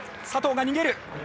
佐藤が逃げる！